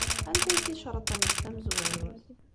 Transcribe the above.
Anta ay d ticreḍt-nnek tamezwarut?